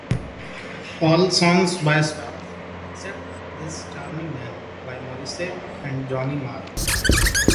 All songs by Stars, except "This Charming Man" by Morrissey and Johnny Marr.